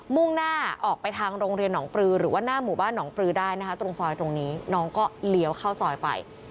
มุ่งหน้าออกไปทางโรงเรียนหนองปลือหรือว่าหน้าหมู่บ้านหนองปลือได้นะคะตรงซอยตรงนี้น้องก็เลี้ยวเข้าซอยไป